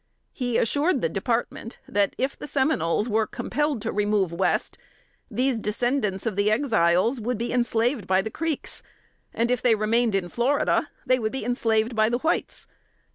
He assured the Department, that if the Seminoles were compelled to remove West, these descendants of the Exiles would be enslaved by the Creeks, and if they remained in Florida, they would be enslaved by the whites.